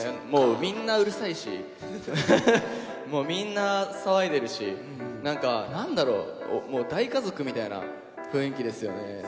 もうみんなうるさいし、もうみんな騒いでるし、なんか、なんだろう、大家族みたいな雰囲気ですよね。